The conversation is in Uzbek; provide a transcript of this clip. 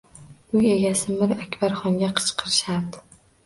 Uy egasi Mir Akbarxonga qichqirishardi.